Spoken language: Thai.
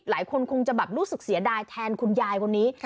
หลายคนคงจะแบบรู้สึกเสียดายแทนคุณยายคนนี้